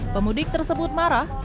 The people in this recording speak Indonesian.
pemudik tersebut marah